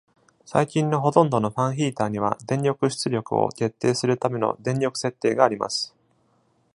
最近のほとんどのファンヒーターには、電力出力を決定するための電力設定があります。